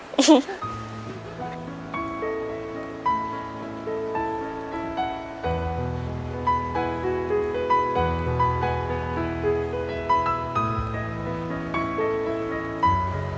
เติม